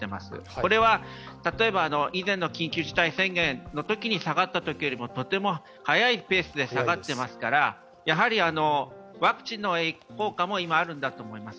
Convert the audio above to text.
これは例えば以前の緊急事態宣言のときに下がったときよりもとても速いペースで下がっていますからやはりワクチンの効果も今、あるんだと思います。